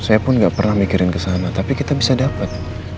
saya pun gak pernah mikirin kesana tapi kita bisa dapat